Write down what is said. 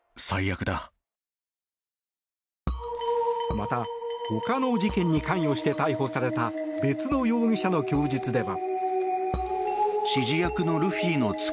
また、他の事件に関与して逮捕された別の容疑者の供述では。